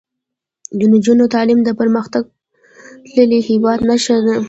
د نجونو تعلیم د پرمختللي هیواد نښه ده.